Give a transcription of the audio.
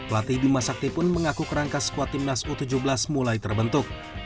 latih bima sakti pun mengaku kerangka squad tim nasional u tujuh belas mulai terbentuk